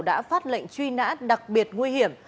đã phát lệnh truy nã đặc biệt nguy hiểm